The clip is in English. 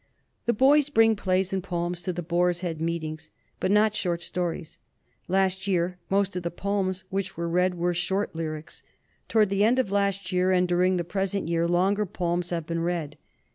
"The boys bring plays and poems to the Boar's Head meetings, but not short stories. Last year most of the poems which were read were short lyrics. Toward the end of last year and during the present year longer poems have been read.